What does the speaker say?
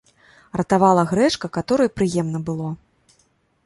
Ратавала грэчка, каторай прыемна было.